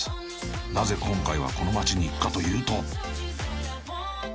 ［なぜ今回はこの街に行くかというと］